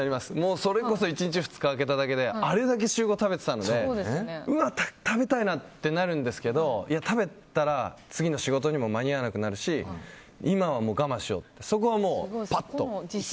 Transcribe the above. それこそ１日、２日空けただけであれだけ週５とか食べていたのでまた食べたいなってなるんですけど食べたら、次の仕事にも間に合わなくなるし今は我慢しようって